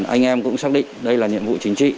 anh em cũng xác định đây là nhiệm vụ chính trị